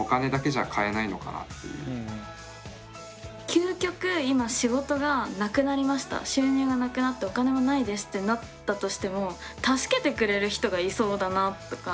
究極今仕事がなくなりました収入がなくなってお金もないですってなったとしても助けてくれる人がいそうだなとか。